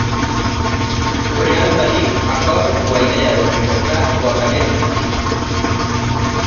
O Real Madrid acode coa idea de recortar coa cabeza da Liga.